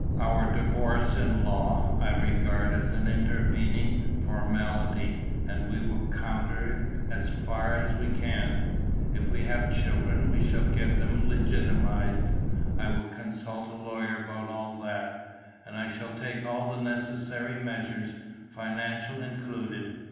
Our divorce in law I regard as an intervening formality and we will counter it as far as we can. If we have children, we shall get them legitimatized. I will consult a lawyer about all that; and I shall take all the necessary measures, financial included.